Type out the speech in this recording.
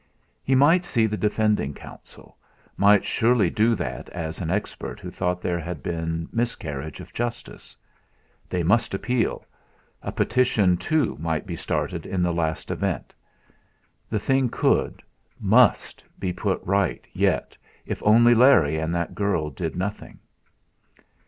He might see the defending counsel, might surely do that as an expert who thought there had been miscarriage of justice. They must appeal; a petition too might be started in the last event. The thing could must be put right yet, if only Larry and that girl did nothing!